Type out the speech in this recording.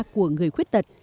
của người khuyết tật